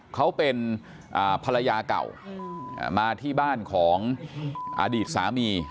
เขาเป็นภรรยาเก่ามาที่บ้านของอดีตสามี